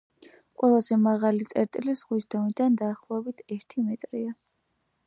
ყველაზე მაღალი წერტილი ზღვის დონიდან დაახლოებით ერთი მეტრია.